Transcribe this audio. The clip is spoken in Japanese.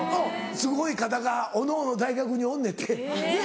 すごい肩がおのおの大学におんねんてねっ。